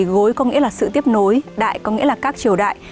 gối có nghĩa là sự tiếp nối đại có nghĩa là các triều đại